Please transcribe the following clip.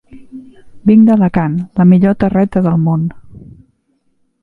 Vinc d'Alacant, la millor terreta del mon.